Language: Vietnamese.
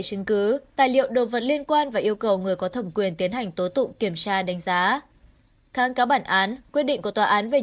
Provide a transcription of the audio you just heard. hãy đăng ký kênh để ủng hộ kênh của chúng mình nhé